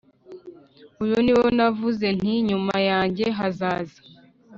Uyu ni we navuze nti Nyuma yanjye hazaza